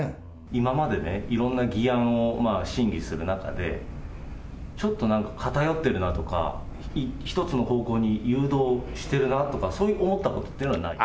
今までね、いろんな議案を審議する中で、ちょっとなんか偏ってるなとか、一つの方向に誘導してるなとか、そう思ったことはない？